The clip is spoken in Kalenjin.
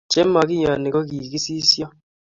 chemakiyoni ko kikisisyo